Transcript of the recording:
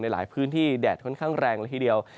หลายพื้นที่แดดค่อนข้างแรงละทีเดียว